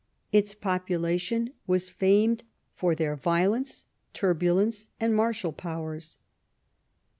Its population were famed for their violence, turbulence, and martial powers.